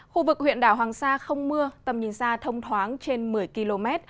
khu vực huyện đảo hoàng sa không mưa tầm nhìn xa thông thoáng trên một mươi km